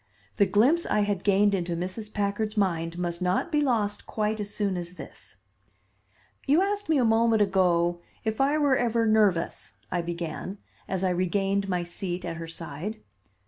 The glimpse I had gained into Mrs. Packard's mind must not be lost quite as soon as this. "You asked me a moment ago if I were ever nervous," I began, as I regained my seat at her side.